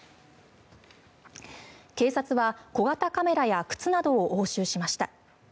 警察は小型カメラや靴などを押収しました。